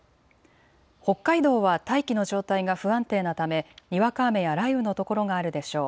北海道は大気の状態が不安定なため、にわか雨や雷雨の所があるでしょう。